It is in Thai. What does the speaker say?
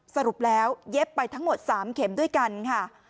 สรุปแล้วเย็บไปทั้งหมด๓เข็มด้วยกันค่ะ